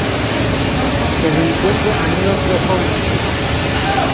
Se le encuentra en una amplia zona.